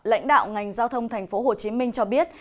lãnh đạo ngành giao thông thành phố hồ chí minh cho biết